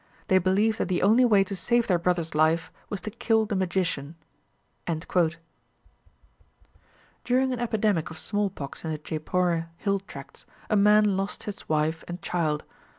They believed that the only way to save their brother's life was to kill the magician." During an epidemic of smallpox in the Jeypore hill tracts, a man lost his wife and child.